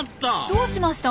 どうしました？